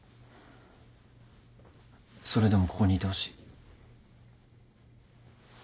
それでもここにいてほしい。